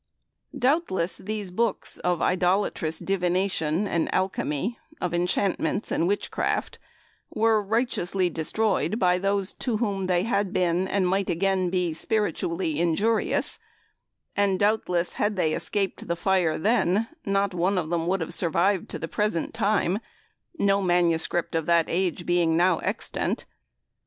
Doubtless these books of idolatrous divination and alchemy, of enchantments and witchcraft, were righteously destroyed by those to whom they had been and might again be spiritually injurious; and doubtless had they escaped the fire then, not one of them would have survived to the present time, no MS. of that age being now extant.